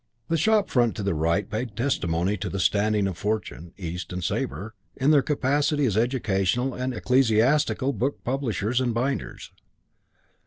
The shop front to the right paid testimony to the standing of Fortune, East and Sabre in their capacity as educational and ecclesiastical book publishers and binders.